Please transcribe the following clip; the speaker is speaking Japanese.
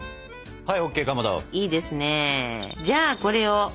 はい！